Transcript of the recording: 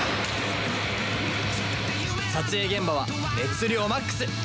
撮影現場は熱量マックス！